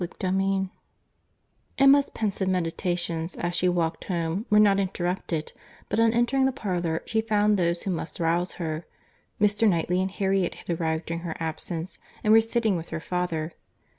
CHAPTER IX Emma's pensive meditations, as she walked home, were not interrupted; but on entering the parlour, she found those who must rouse her. Mr. Knightley and Harriet had arrived during her absence, and were sitting with her father.